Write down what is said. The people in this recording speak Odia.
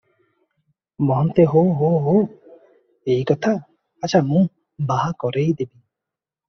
ମହନ୍ତ ହୋଃ ହୋଃ ହୋଃ- ଏଇ କଥା! ଆଚ୍ଛା ମୁଁ ବାହା କରେଇ ଦେବି ।